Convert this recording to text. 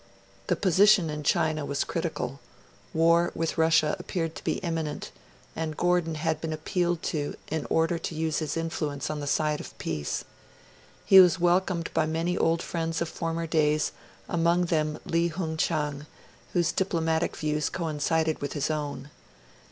The position in China was critical; war with Russia appeared to be imminent; and Gordon had been appealed to in order to use his influence on the side of peace. He was welcomed by many old friends of former days, among them Li Hung Chang, whose diplomatic views coincided with his own.